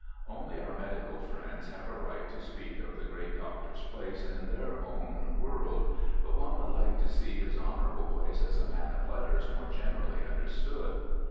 Only our medical friends have a right to speak of the great doctor's place in their own world; but one would like to see his honorable place as a man of letters more generally understood.